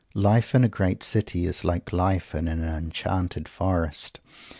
Life in a great city is like life in an enchanted forest.